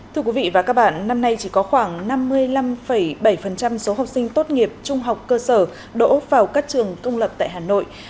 thưa quý vị và các bạn năm nay chỉ có khoảng năm mươi năm bảy số học sinh tốt nghiệp trung học cơ sở đỗ vào các trường công lập tại hà nội